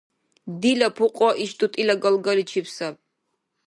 Дила пукьа иш тӀутӀила галгаличиб саби.